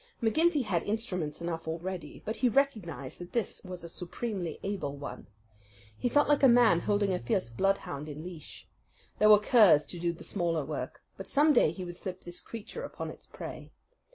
McGinty had instruments enough already; but he recognized that this was a supremely able one. He felt like a man holding a fierce bloodhound in leash. There were curs to do the smaller work; but some day he would slip this creature upon its prey.